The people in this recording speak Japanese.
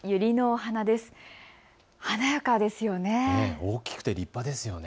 華やかですよね。